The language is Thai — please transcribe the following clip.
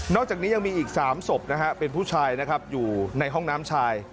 จากนี้ยังมีอีก๓ศพนะฮะเป็นผู้ชายนะครับอยู่ในห้องน้ำชาย